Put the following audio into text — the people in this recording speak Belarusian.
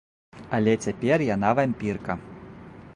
Але цяпер яна вампірка.